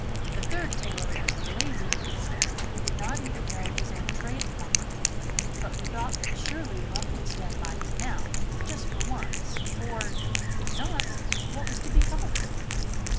The third tailor was a lazy young scamp who did not even know his own trade properly, but who thought that surely luck would stand by him now, just for once, for, if not, what was to become of him?